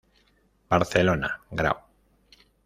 Barcelona: Grao.